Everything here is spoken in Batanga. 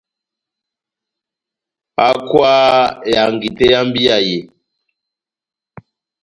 Hákwaha ehangi tɛ́h yá mbíya yé !